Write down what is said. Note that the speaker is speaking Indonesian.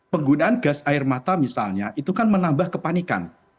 penggunaan gas air mata misalnya itu kan menambah kepanikan